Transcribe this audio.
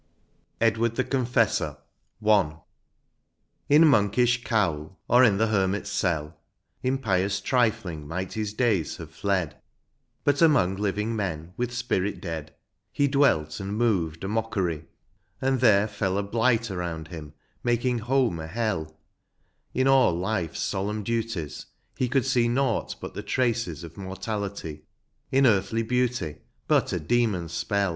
181 XC. EDWARD THE CONFESSOR. — 1. In monkish cowl, or in the hermit's ceil, In pious trifling might his days have fled ; But among living men, with spirit dead, He dwelt and moved a mockery ; and there fell A blight around him, making home a hell ; In all life's solemn duties he could see Nought but the traces of mortality^ In earthly beauty but a demon s speU.